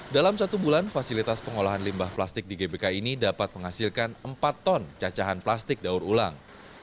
dalam satu bulan fasilitas pengolahan limbah plastik di gbk ini dapat menghasilkan empat ton cacahan plastik daur ulang